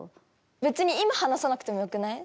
別に今、話さなくてもよくない？